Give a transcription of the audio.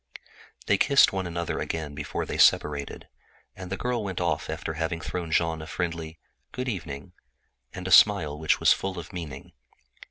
They kissed one another again before they separated, and the girl went off after having thrown Jean a friendly "Good evening" and a smile which was full of meaning.